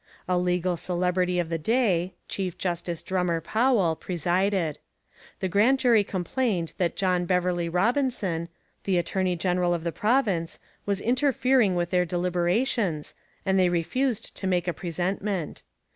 A legal celebrity of the day, Chief Justice Dummer Powell, presided. The grand jury complained that John Beverley Robinson, the attorney general of the province, was interfering with their deliberations, and they refused to make a presentment.